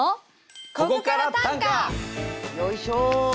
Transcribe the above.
よいしょ！